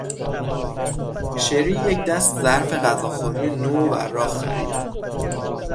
شری یک دست ظرف غذاخوری نو و براق خرید.